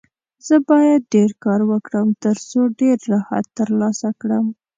زه باید ډېر کار وکړم، ترڅو ډېر راحت ترلاسه کړم.